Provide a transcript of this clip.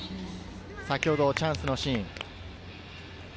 先ほどのチャンスのシーン。